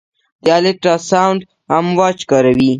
د الټراساونډ امواج کاروي.